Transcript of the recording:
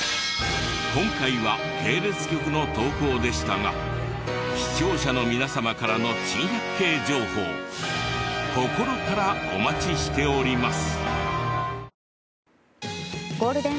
今回は系列局の投稿でしたが視聴者の皆様からの珍百景情報心からお待ちしております。